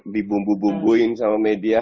dibumbu bumbuin sama media